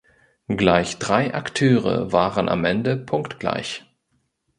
Gleich drei Akteure waren am Ende punktgleich.